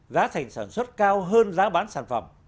giá thành sản xuất cao hơn giá bán sản phẩm